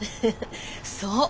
そう！